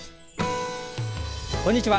こんにちは。